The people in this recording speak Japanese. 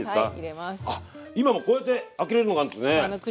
あ今もうこうやって開けれるのがあるんですね。